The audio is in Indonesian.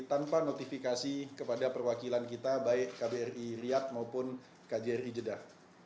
tanpa notifikasi kepada perwakilan kita baik kbri riyad maupun kjri jeddah